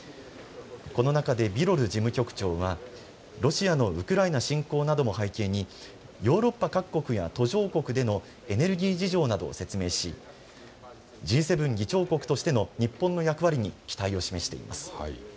この中でビロル事務局長はロシアのウクライナ侵攻なども背景にヨーロッパ各国や途上国でのエネルギー事情などを説明し、Ｇ７議長国としての日本の役割に期待を示しています。